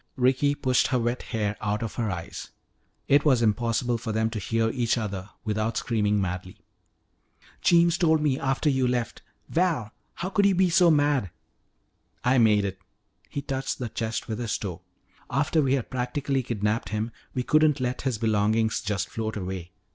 Ricky pushed her wet hair out of her eyes. It was impossible for them to hear each other without screaming madly. "Jeems told me after you left Val! How could you be so mad!" "I made it." He touched the chest with his toe. "After we had practically kidnapped him, we couldn't let his belongings just float away.